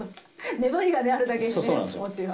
粘りがねあるだけにね餅は。